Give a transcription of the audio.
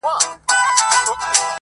په ورور تور پوري کوې په زړه خیرنه,